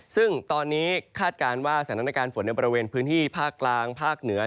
ซึ่งตอนนี้คาดการณ์ว่าสถานการณ์ฝนในบริเวณพื้นที่ภาคกลางภาคเหนือ